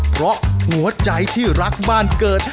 เพราะหัวใจที่รักบ้านเกิด